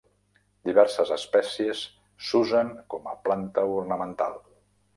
Diverses espècies s'usen com a planta ornamental.